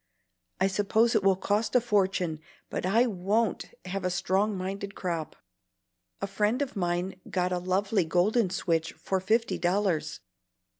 I suppose it will cost a fortune, but I WON'T have a strong minded crop. A friend of mine got a lovely golden switch for fifty dollars."